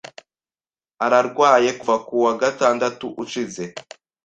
Ararwaye kuva ku wa gatandatu ushize.